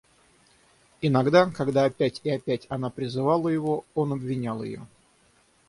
Иногда, когда опять и опять она призывала его, он обвинял ее.